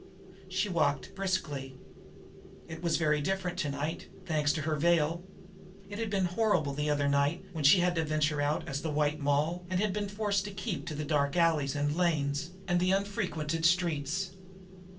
She walked briskly. It was very different to night, thanks to her veil! It had been horrible that other night, when she had ventured out as the White Moll and had been forced to keep to the dark alleyways and lanes, and the unfrequented streets!